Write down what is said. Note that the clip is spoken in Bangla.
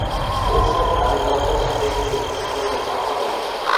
ও-সব আমি দশ বৎসর দেখে দেখে পাকা হয়ে গেছি।